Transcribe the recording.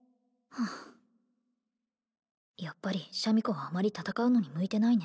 やっぱりシャミ子はあまり戦うのに向いてないね